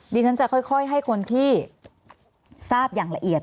ดิฉันจะค่อยให้คนที่ทราบอย่างละเอียด